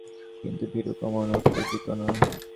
কিন্তু ভীরু কমল কোনো কথারই উত্তর দিত না।